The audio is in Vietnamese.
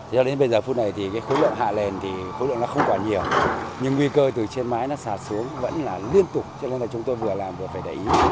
do đến bây giờ phút này thì cái khối lượng hạ lên thì khối lượng nó không quả nhiều nhưng nguy cơ từ trên mái nó sạt xuống vẫn là liên tục cho nên là chúng tôi vừa làm vừa phải để ý